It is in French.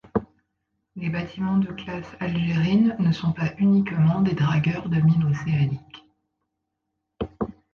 Les bâtiments de classe Algerine ne sont pas uniquement des dragueurs de mines océaniques.